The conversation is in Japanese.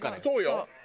そうよ。